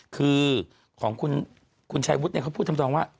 คือของคุณชายวุฒิเขาพูดทำนองว่า